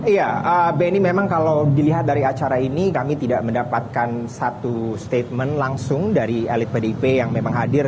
iya benny memang kalau dilihat dari acara ini kami tidak mendapatkan satu statement langsung dari elit pdip yang memang hadir